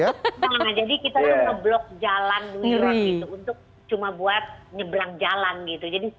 jadi kita tuh ngeblok jalan new york gitu untuk cuma buat nyebrang jalan gitu